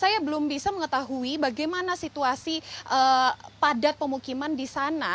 saya belum bisa mengetahui bagaimana situasi padat pemukiman di sana